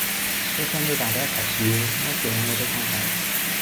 一聽到大家一齊叫，乜野感覺都返晒黎！